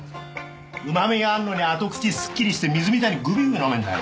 うまみがあんのに後口すっきりして水みたいにぐびぐび飲めんだよ